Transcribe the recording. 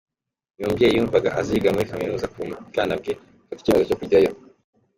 Uyu mubyeyi ymvuga aziga muri kaminuza kuva mu bwana bwe, afata icyemezo cyo kujyayo.